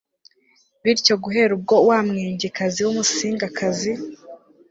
bityo guhera ubwo wa mwengekazi w'umusingakazi